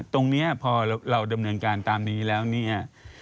ตรงนี้พอเราดำเนินการตามนี้แล้วเนี่ย